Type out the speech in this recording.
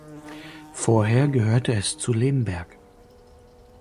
Vorher gehörte es zu Lemberg.